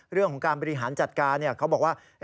เรื่องของการบริหารจัดการเขาบอกว่า